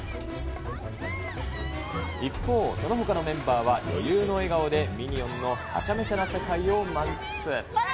一方、そのほかのメンバーは余裕の笑顔でミニオンのはちゃめちゃな世界を満喫。